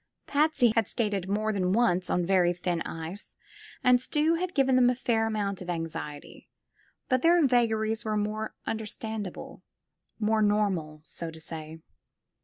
Patsy had skated more than once on very thin ice and Stuy had given then! a fair amount of anxiety, but their vagaries were more understandable, more normal, so to say.